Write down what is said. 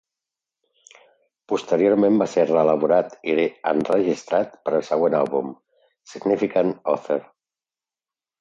Posteriorment va ser reelaborat i enregistrat per al seu següent àlbum, "Significant Other".